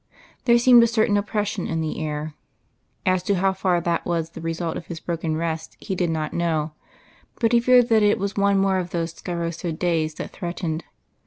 There seemed a certain oppression in the air. As to how far that was the result of his broken rest he did not know, but he feared that it was one more of those scirocco days that threatened.